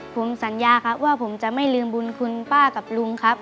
ผมสัญญาครับว่าผมจะไม่ลืมบุญคุณป้ากับลุงครับ